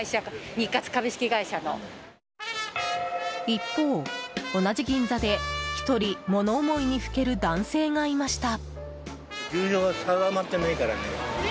一方、同じ銀座で１人物思いにふける男性がいました。